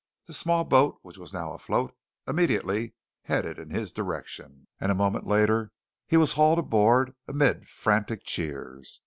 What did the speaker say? The small boat, which was now afloat, immediately headed in his direction, and a moment later he was hauled aboard amid frantic cheers.